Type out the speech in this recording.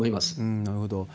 なるほど。